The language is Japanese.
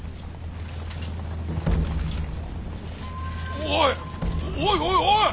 おいおいおいおい！